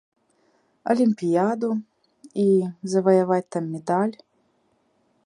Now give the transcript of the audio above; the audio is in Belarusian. Алімпіяду і заваяваць там медаль.